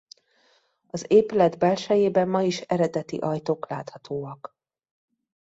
Az épület belsejében ma is eredeti ajtók láthatóak.